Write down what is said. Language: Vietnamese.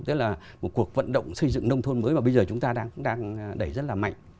tức là một cuộc vận động xây dựng nông thôn mới và bây giờ chúng ta đang đẩy rất là mạnh